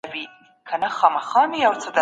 د ابدالي او غلجيو قبیلو ترمنځ اړیکي څنګه وي؟